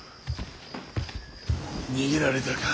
・逃げられたか。